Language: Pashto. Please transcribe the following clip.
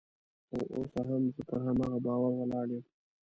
تر اوسه هم زه پر هماغه باور ولاړ یم